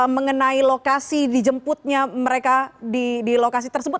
mengenai lokasi dijemputnya mereka di lokasi tersebut